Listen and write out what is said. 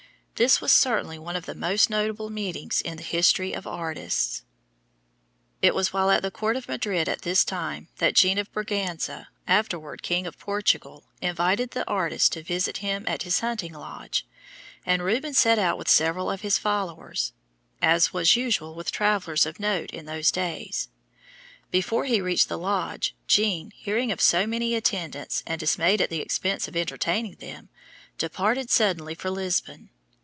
This was certainly one of the most notable meetings in the history of artists. [Illustration: DESCENT FROM THE CROSS Rubens] It was while at the court of Madrid at this time that Jean of Braganza, afterward King of Portugal, invited the artist to visit him at his hunting lodge, and Rubens set out with several of his followers, as was usual with travellers of note in those days. Before he reached the lodge Jean, hearing of so many attendants, and dismayed at the expense of entertaining them, departed suddenly for Lisbon.